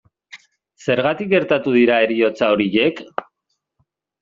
Zergatik gertatu dira heriotza horiek?